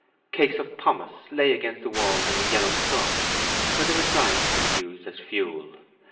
Cakes of pomace lay against the walls in the yellow sun, where they were drying to be used as fuel.